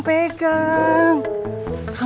kamu kan baru makan